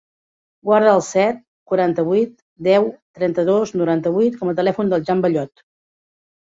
Guarda el set, quaranta-vuit, deu, trenta-dos, noranta-vuit com a telèfon del Jan Bellot.